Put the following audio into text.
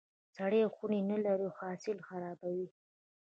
سړې خونې نه لرل حاصل خرابوي.